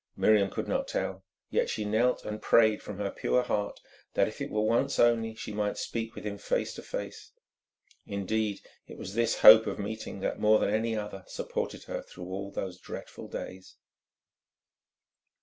Miriam could not tell. Yet she knelt and prayed from her pure heart that if it were once only, she might speak with him face to face. Indeed, it was this hope of meeting that, more than any other, supported her through all those dreadful days.